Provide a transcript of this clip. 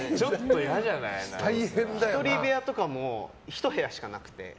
１人部屋とかも１部屋しかなくて。